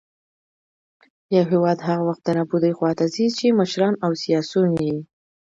يـو هـېواد هـغه وخـت د نـابـودۍ خـواتـه ځـي ،چـې مـشران او سـياسيون يـې